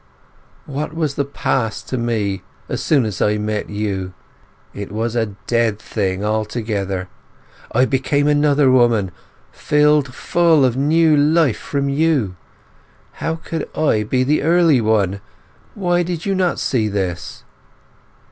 What was the past to me as soon as I met you? It was a dead thing altogether. I became another woman, filled full of new life from you. How could I be the early one? Why do you not see this?